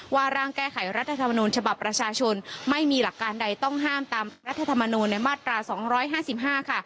ร่างแก้ไขรัฐธรรมนูญฉบับประชาชนไม่มีหลักการใดต้องห้ามตามรัฐธรรมนูลในมาตรา๒๕๕ค่ะ